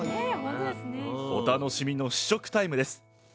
お楽しみの試食タイムです！